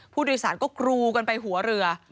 ผู้โดยสารก็กรูกันไปหัวเรือ